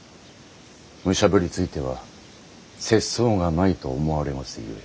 むしゃぶりついては節操がないと思われますゆえ。